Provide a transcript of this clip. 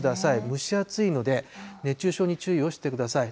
蒸し暑いので、熱中症に注意をしてください。